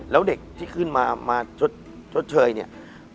แล้วเด็กที่ขึ้นมาชดเชย